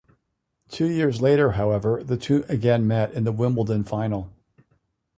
Two years later, however, the two again met in the Wimbledon final.